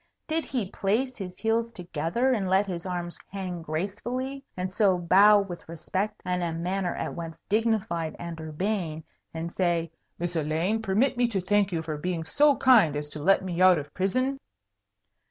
Did he place his heels together, and let his arms hang gracefully, and so bow with respect and a manner at once dignified and urbane, and say, "Miss Elaine, permit me to thank you for being so kind as to let me out of prison?"